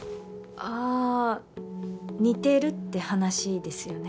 ああ似てるって話ですよね？